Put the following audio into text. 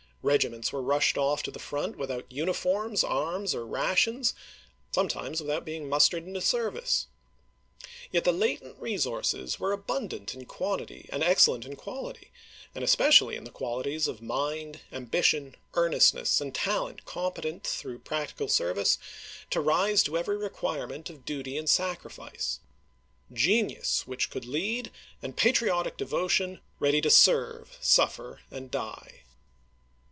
Regiments were rushed off to the front without uniforms, arms, or rations; sometimes without being mustered into service. Yet the la tent resources were abundant in quantity and excel lent in quality, and especially in the qualities of mind, ambition, earnestness, and talent competent through practical service to rise to every require ment of duty and sacrifice — genius which could lead, and patriotic devotion ready to serve, suffer, and die.